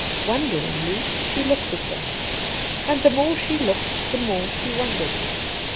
Wonderingly she looked at him, and the more she looked the more she wondered.